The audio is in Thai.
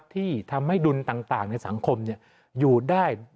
ที่ทำให้ดุลต่างในสังคมอยู่ได้